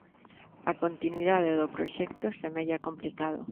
A continuidade do proxecto semella complicado.